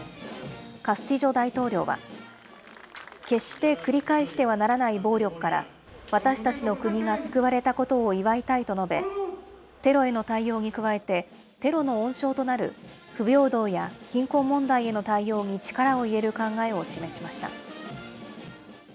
カスティジョ大統領は、決して繰り返してはならない暴力から、私たちの国が救われたことを祝いたいと述べ、テロへの対応に加えて、テロの温床となる不平等や貧困問題への対応に力を入れる考えを示しました。